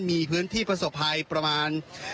มีพื้นที่ประสบภัยประมาณ